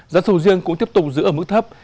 giá sầu riêng cũng tiếp tục giữ ở mức thấp